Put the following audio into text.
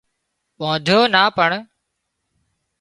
ٻانڌو نا پڻ